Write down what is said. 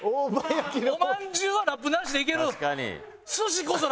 おまんじゅうはラップなしでいける。